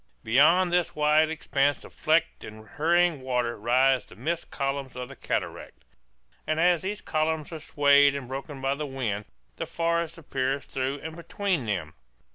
Beyond this wide expanse of flecked and hurrying water rise the mist columns of the cataract; and as these columns are swayed and broken by the wind the forest appears through and between them.